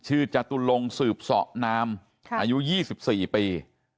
ชื่อจตุลงสืบสะนามค่ะอายุยี่สิบสี่ปีเนี้ย